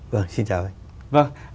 vâng xin chào anh